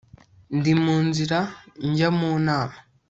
Ndi mu nzira njya mu nama